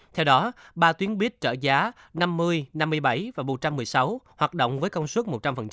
theo đó ba tuyến buýt trợ giá năm mươi năm mươi bảy và một trăm một mươi sáu hoạt động với công suất một trăm linh